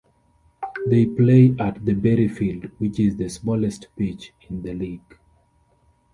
They play at the Berryfield, which is the smallest pitch in the league.